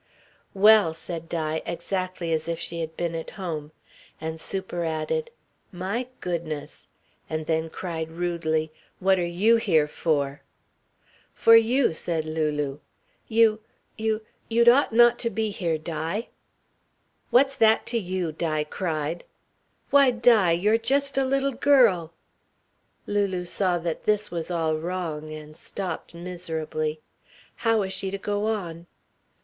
"Well!" said Di, exactly as if she had been at home. And superadded: "My goodness!" And then cried rudely: "What are you here for?" "For you," said Lulu. "You you you'd ought not to be here, Di." "What's that to you?" Di cried. "Why, Di, you're just a little girl " Lulu saw that this was all wrong, and stopped miserably. How was she to go on?